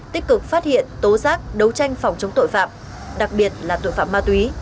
tích cực phát hiện tố giác đấu tranh phòng chống tội phạm đặc biệt là tội phạm ma túy